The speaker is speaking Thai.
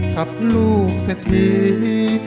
กับลูกเสร็จที